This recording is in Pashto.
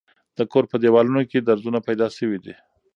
د کور په دېوالونو کې درځونه پیدا شوي دي.